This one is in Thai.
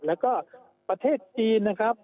แล้วก็ประเทศจีนนะครับ